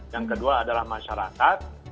yang kedua adalah masyarakat